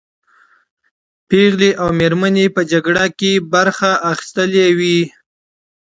پېغلې او مېرمنې په جګړه کې برخه اخیستلې وې.